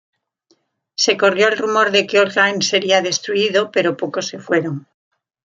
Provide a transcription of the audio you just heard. Se corrió el rumor de que Oakland sería destruido, pero pocos se fueron.